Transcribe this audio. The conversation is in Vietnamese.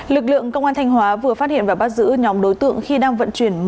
lực lượng công an thanh hóa vừa phát hiện và bắt giữ nhóm đối tượng khi đang vận chuyển